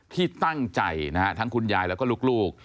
ที่ตั้งใจนะฮะทั้งคุณยายแล้วก็ลูก